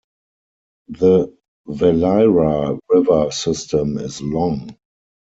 The Valira river system is long.